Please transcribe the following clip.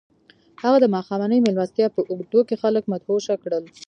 هغه د ماښامنۍ مېلمستیا په اوږدو کې خلک مدهوشه کړل